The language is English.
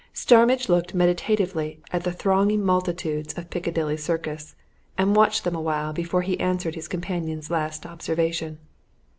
Starmidge looked meditatively at the thronging multitudes of Piccadilly Circus, and watched them awhile before he answered his companion's last observation.